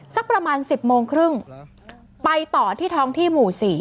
สักประมาณ๑๐โมงครึ่งไปต่อที่ท้องที่หมู่๔